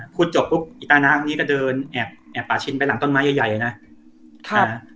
พูดจบปุ๊บอีตาน้าของนี้ก็เดินแอบป่าชินไปหลังต้นไม้ใหญ่อะนะ